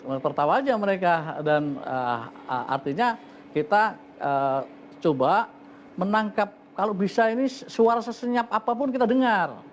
mereka tertawa aja mereka dan artinya kita coba menangkap kalau bisa ini suara sesenyap apapun kita dengar